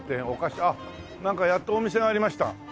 あっなんかやっとお店がありました。